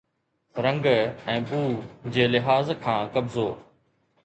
رنگ ۽ بو جي لحاظ کان قبضو